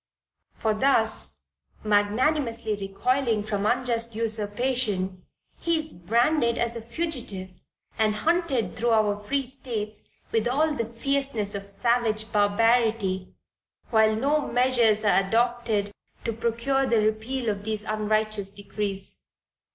For thus magnanimously recoiling from unjust usurpation he is branded as a fugitive, and hunted through our free states with all the fierceness of savage barbarity, while no measures are adopted to procure the repeal of these unrighteous decrees.